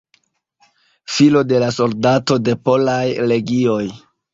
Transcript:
Filo de la soldato de Polaj Legioj.